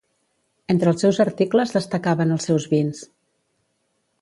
Entre els seus articles destacaven els seus vins.